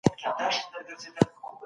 تاسي تل د نېکو خلګو ملګرتیا کوئ.